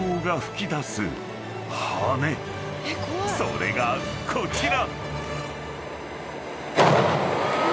［それがこちら］